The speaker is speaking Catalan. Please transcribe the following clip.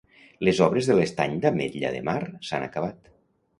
Les obres de l'Estany d'Ametlla de Mar s'han acabat.